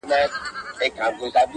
ژوند له دې انګار سره پیوند لري!